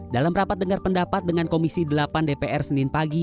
dalam rapat dengar pendapat dengan komisi delapan dpr senin pagi